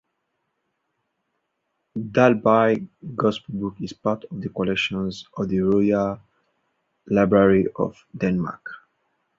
Dalby Gospel Book is part of the collections of the Royal Library of Denmark.